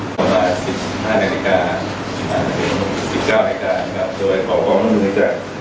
ประมาณ๑๕นาฬิกาถึง๑๙นาฬิกาโดยขอบความรู้จัก